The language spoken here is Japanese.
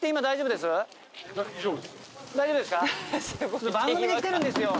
大丈夫です。